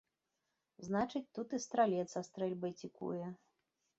Значыць, тут і стралец са стрэльбай цікуе.